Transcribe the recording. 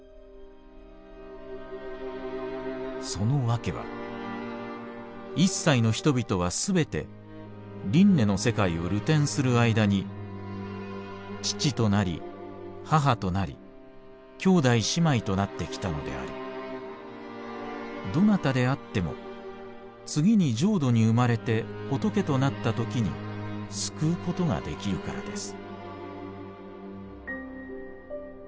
そのわけは一切の人々はすべて輪廻の世界を流転する間に父となり母となり兄弟姉妹となってきたのでありどなたであっても次に浄土に生まれて仏となったときに救うことができるからです」。